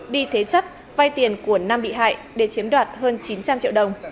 đi thế chất vai tiền của năm bị hại để chiếm đoạt hơn chín trăm linh triệu đồng